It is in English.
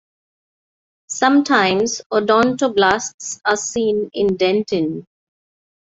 Sometimes odontoblasts are seen in dentin.